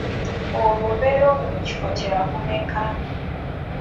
Olwo obeera oli mu kifo kyakumeka?